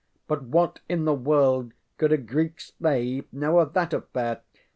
But what in the world could a Greek slave know of that affair?